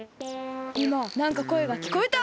いまなんかこえがきこえた！